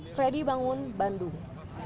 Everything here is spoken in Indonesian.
fredy bangun bandung